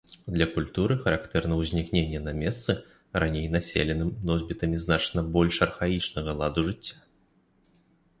Для культуры характэрна ўзнікненне на месцы, раней населеным носьбітамі значна больш архаічнага ладу жыцця.